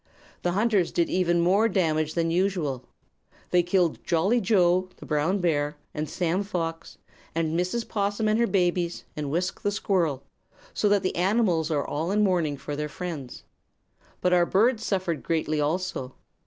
"The hunters did even more damage than usual. They killed Jolly Joe, the brown bear, and Sam Fox, and Mrs. 'Possum and her babies, and Wisk the squirrel; so that the animals are all in mourning for their friends. But our birds suffered greatly, also.